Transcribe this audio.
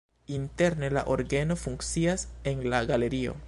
Interne la orgeno funkcias en la galerio.